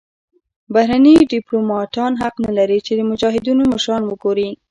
بهرني دیپلوماتان حق نلري چې د مجاهدینو مشران وګوري.